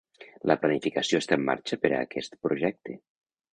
La planificació està en marxa per a aquest projecte.